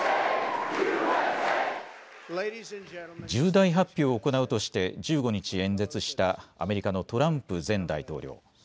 重大発表を行うとして１５日、演説したアメリカのトランプ前大統領。